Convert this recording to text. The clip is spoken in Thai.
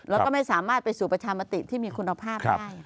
แล้วก็ไม่สามารถไปสู่ประชามติที่มีคุณภาพได้